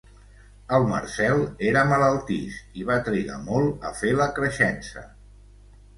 El Marcel era malaltís i va trigar molt a fer la creixença.